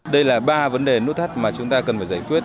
đây là ba vấn đề nút thắt mà chúng ta cần phải giải quyết